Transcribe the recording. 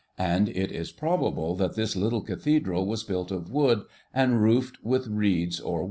And it is probable that this little Cathedral was built of wood, and roofed with reeds or wattles.